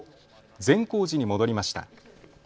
善光寺に戻りました。